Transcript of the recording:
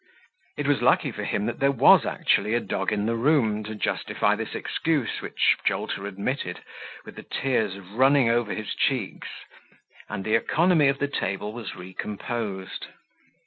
It was lucky for him that there was actually a dog in the room, to justify this excuse, which Jolter admitted with the tears running over his cheeks, and the economy of the table was recomposed.